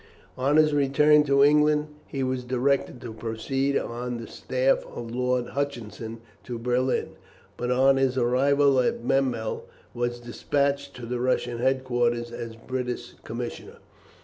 On his return to England he was directed to proceed on the staff of Lord Hutchinson to Berlin, but on his arrival at Memel was despatched to the Russian headquarters as British commissioner.